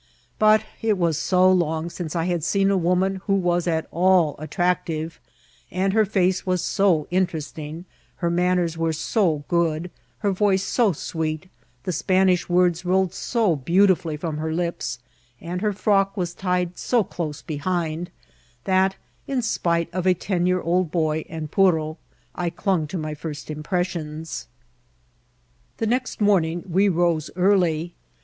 But it was so long since I had seen a woman who was at all attractive, and her fbioe was so interesting, her manners were so good, her voice so sweet, the Spanish words rolled so beautifully from her lips, and her frock was tied so close behind, that, in spite of ten year old boy and puro, I clung to my first impressions. The next morning we rose early.